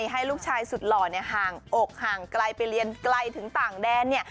ให้ลูกชายสุดหล่อห่างอกห่างไกลไปเรียนไกลถึงต่างแดน